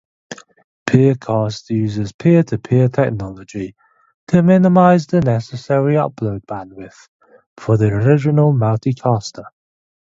PeerCast uses peer-to-peer technology to minimize the necessary upload bandwidth for the original multicaster.